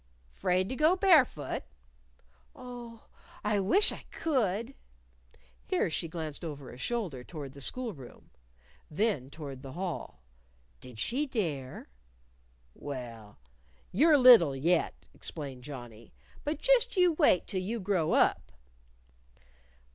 "'Fraid to go barefoot?" "Oh, I wish I could!" Here she glanced over a shoulder toward the school room; then toward the hall. Did she dare? "Well, you're little yet," explained Johnnie. "But just you wait till you grow up."